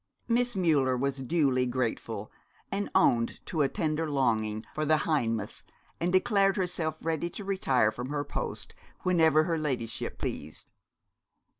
Miss Müller was duly grateful, and owned to a tender longing for the Heimath, and declared herself ready to retire from her post whenever her ladyship pleased.